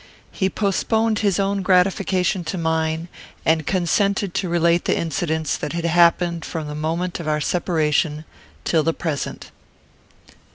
He postponed his own gratification to mine, and consented to relate the incidents that had happened from the moment of our separation till the present.